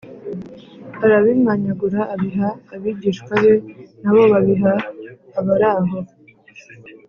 Arabimanyagura abiha abigishwa be na bo babiha abaraho